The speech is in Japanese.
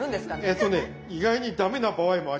えとね意外に駄目な場合もあります。